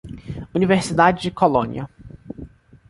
Universidade de Colônia.